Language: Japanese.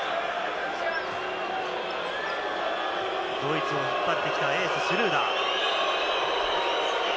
ドイツを引っ張ってきたエース、シュルーダー。